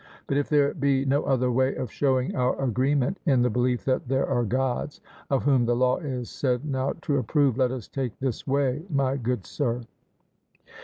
But if there be no other way of showing our agreement in the belief that there are Gods, of whom the law is said now to approve, let us take this way, my good sir.